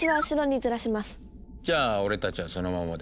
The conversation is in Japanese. じゃあ俺たちはそのままで。